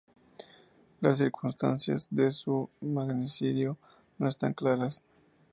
Las circunstancias de su Magnicidio, no están claras.